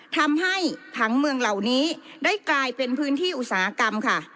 ทำให้ผังเมืองเหล่านี้ได้กลายเป็นพื้นที่อุตสาหกรรมค่ะ